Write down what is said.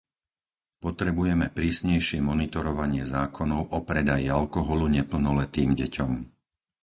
Potrebujeme prísnejšie monitorovanie zákonov o predaji alkoholu neplnoletým deťom.